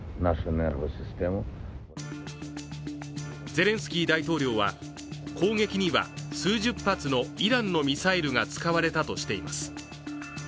ゼレンスキー大統領は、攻撃には数十発のイランのミサイルが使われたとしています。